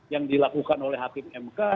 yang dilakukan oleh hakim mk